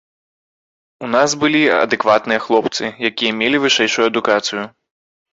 У нас былі адэкватныя хлопцы, якія мелі вышэйшую адукацыю.